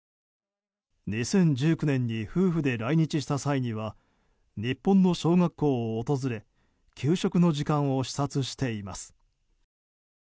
２０１９年に夫婦で来日した際には日本の小学校を訪れ給食の時間を視察しています。